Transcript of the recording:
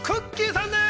さんです！